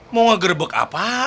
mau ngegerbek apaan